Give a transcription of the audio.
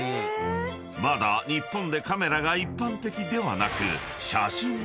［まだ日本でカメラが一般的ではなく］